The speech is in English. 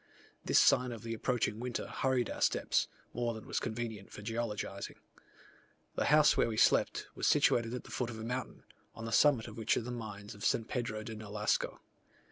This sign of the approaching winter hurried our steps, more than was convenient for geologizing. The house where we slept was situated at the foot of a mountain, on the summit of which are the mines of S. Pedro de Nolasko.